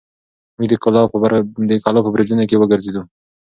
موږ د کلا په برجونو کې وګرځېدو.